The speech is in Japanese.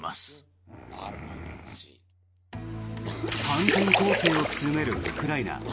反転攻勢を強めるウクライナ。